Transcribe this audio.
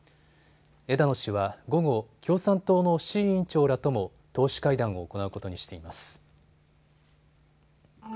枝野氏は午後、共産党の志位委員長らとも党首会談を行うことにしています。